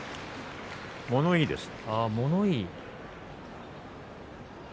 物言いです。